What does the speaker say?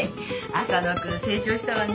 浅野くん成長したわね。